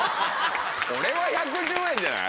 これは１１０円じゃない？